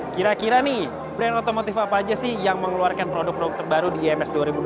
kira kira nih brand otomotif apa aja sih yang mengeluarkan produk produk terbaru di ims dua ribu dua puluh